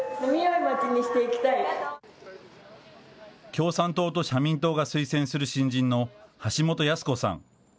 共産党と社民党が推薦する新人の橋本弥寿子さん。